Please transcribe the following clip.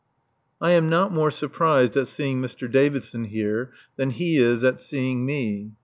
I am not more surprised at seeing Mr. Davidson here than he is at seeing me.